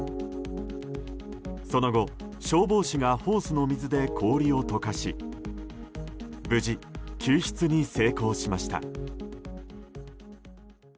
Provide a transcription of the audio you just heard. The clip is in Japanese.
その後、消防士がホースの水で氷を溶かし無事、救出に成功しました。